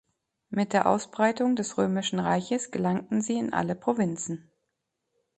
Mit der Ausbreitung des Römischen Reiches gelangten sie in alle Provinzen.